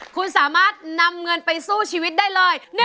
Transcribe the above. คุณสามารถนำเงินไปสู้ชีวิตได้เลย